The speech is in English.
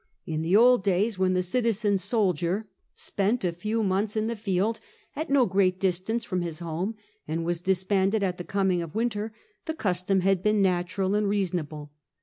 In the old days, when the citizen soldier spent a few months in the field, at no great distance from his home, and was disbanded at the coming of winter, the custom had been natural and I'easonable.